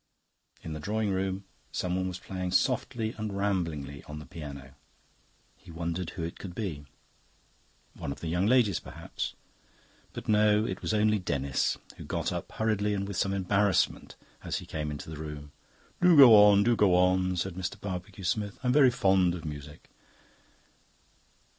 In the drawing room someone was playing softly and ramblingly on the piano. He wondered who it could be. One of the young ladies, perhaps. But no, it was only Denis, who got up hurriedly and with some embarrassment as he came into the room. "Do go on, do go on," said Mr. Barbecue Smith. "I am very fond of music."